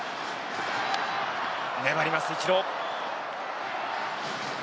粘ります、イチロー。